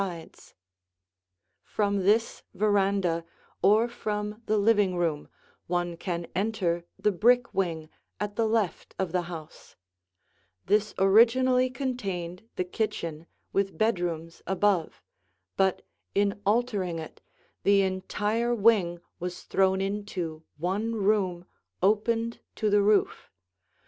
[Illustration: Two Views of the Den] From this veranda or from the living room, one can enter the brick wing at the left of the house. This originally contained the kitchen with bedrooms above, but in altering it, the entire wing was thrown into one room opened to the roof.